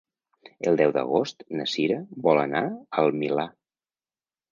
El deu d'agost na Cira vol anar al Milà.